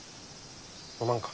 飲まんか？